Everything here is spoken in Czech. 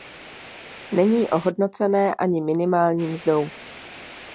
Není ohodnocené ani minimální mzdou.